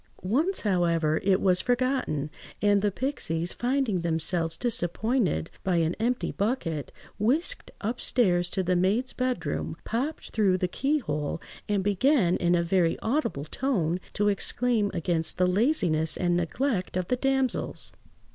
Once, however, it was forgotten; and the pixies, finding themselves disappointed by an empty bucket, whisked upstairs to the maids' bedroom, popped through the keyhole, and began, in a very audible tone, to exclaim against the laziness and neglect of the damsels.